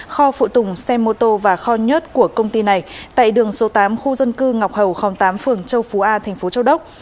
kho phụ tùng xe mô tô và kho nhớt của công ty này tại đường số tám khu dân cư ngọc hầu khóm tám phường châu phú a thành phố châu đốc